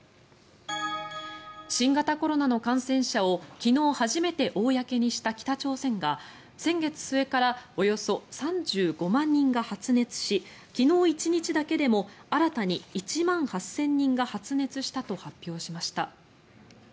新型コロナの感染者を昨日初めて公にした北朝鮮が先月末からおよそ３５万人が発熱し昨日１日だけでも新たに１万８０００人が発熱したと発表しました。